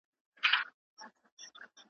په هر ځای کي چي مي وغواړی حضور یم.